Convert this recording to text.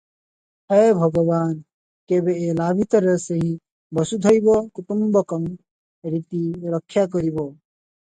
ହାୟ ଭଗବାନ, କେବେ ଏ ଲାଭିତର ସେହି 'ବସୁ ଧୈବ କୁଟୁମ୍ବକଂ' ରୀତି ରକ୍ଷା କରିବ?